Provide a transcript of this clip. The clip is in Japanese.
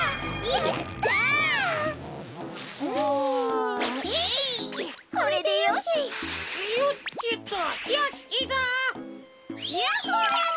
やっほやで。